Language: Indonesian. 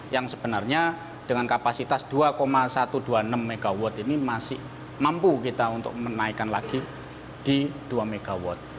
yang sebenarnya dengan kapasitas dua satu ratus dua puluh enam mw ini masih mampu kita untuk menaikkan lagi di dua mw